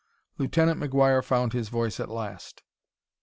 Lieutenant McGuire found his voice at last.